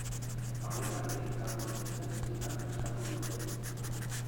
Balletarekin galdu ezin den zita prestatu dute.